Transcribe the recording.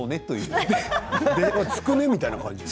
つくねみたいな感じ？